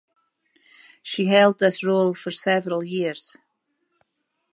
She held this role for several years.